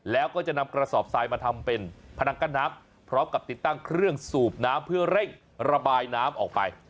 แล้วก็จะนำกระสอบทรายมาทำเป็นพนังกั้นน้ำพร้อมกับติดตั้งเครื่องสูบน้ำเพื่อเร่งระบายน้ำออกไป